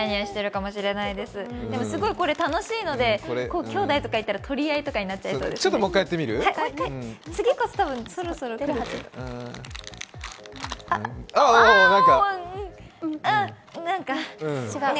でもすごい、これ楽しいので、兄弟とかいたら、取り合いになっちゃいそうですね。